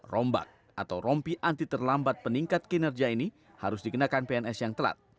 rombak atau rompi anti terlambat peningkat kinerja ini harus dikenakan pns yang telat